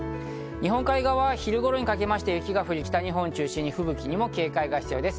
日本海側は昼頃にかけまして雪が降り、北日本中心に吹雪にも警戒が必要です。